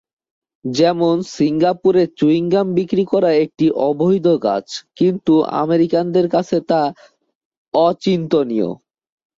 যেমন সিঙ্গাপুরে চুইংগাম বিক্রি করা একটি অবৈধ কাজ কিন্তু আমেরিকানদের কাছে তা অচিন্তনীয়।